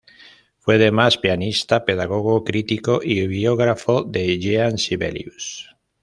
Fue además pianista, pedagogo, crítico y biógrafo de Jean Sibelius.